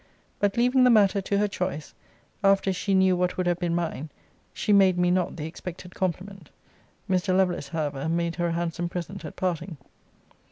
But leaving the matter to her choice, after she knew what would have been mine, she made me not the expected compliment. Mr. Lovelace, however, made her a handsome present at parting.